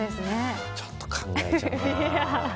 ちょっと考えちゃうな。